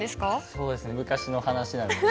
そうですね昔の話。